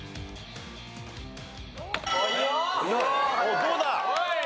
どうだ？